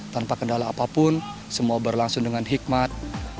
tanpa kendala apapun semua berlangsung dengan hikmat